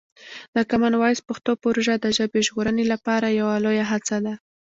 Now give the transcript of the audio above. د کامن وایس پښتو پروژه د ژبې ژغورنې لپاره یوه لویه هڅه ده.